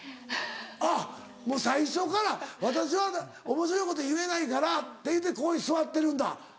あっもう最初から私はおもしろいこと言えないからっていうてここに座ってるんだ。